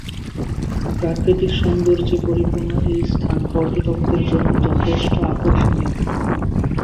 প্রাকৃতিক সৌন্দর্যে পরিপূর্ণ এই স্থান পর্যটকদের জন্য যথেষ্ট আকর্ষণীয়।